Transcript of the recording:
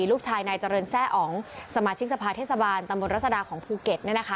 ลูกชายนายเจริญแซ่อ๋องสมาชิกสภาเทศบาลตำบลรัศดาของภูเก็ต